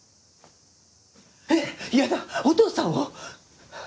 えっやだお父さんを！？